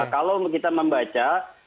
kalau kita membaca